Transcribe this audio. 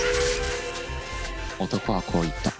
男はこう言った。